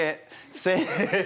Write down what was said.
せの！